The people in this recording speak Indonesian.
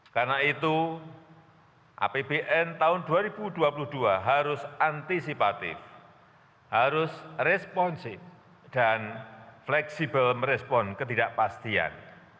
karena itu apbn tahun dua ribu dua puluh dua harus antisipatif harus responsif dan fleksibel merespon ketidakpastian